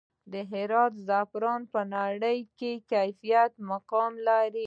د هرات زعفران په نړۍ کې د کیفیت مقام لري